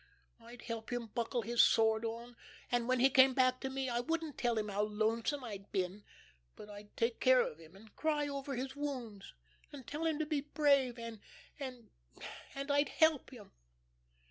I'd help him buckle his sword on, and when he came back to me I wouldn't tell him how lonesome I'd been, but I'd take care of him and cry over his wounds, and tell him to be brave and and and I'd help him."